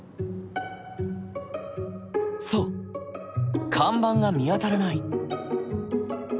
そう看板が見当たらない。